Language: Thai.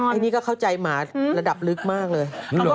อันนี้ก็เข้าใจหมาระดับลึกมากเลย